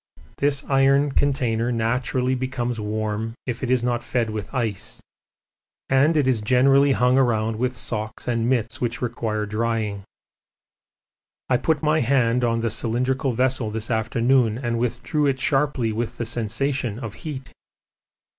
This iron container naturally becomes warm if it is not fed with ice, and it is generally hung around with socks and mits which require drying. I put my hand on the cylindrical vessel this afternoon and withdrew it sharply with the sensation of heat.